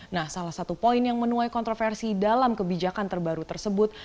nah salah satu poin yang menuai kontroversi dalam kebijakan terbaru tersebut